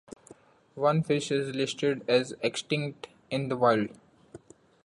One fish is listed as extinct in the wild.